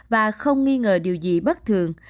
và không nghi ngờ điều gì bất thường